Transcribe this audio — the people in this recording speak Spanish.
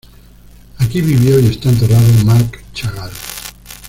Aquí vivió y está enterrado Marc Chagall.